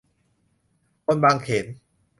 คนบางเขน